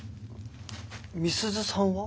美鈴さんは？